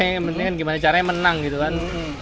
yang penting kan gimana caranya menang gitu kan